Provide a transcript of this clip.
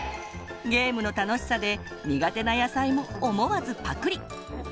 ゲームの楽しさで苦手な野菜も思わずパクリ！